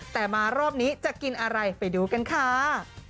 แต่มารอบนี้จะกินอะไรไปดูกันค่ะ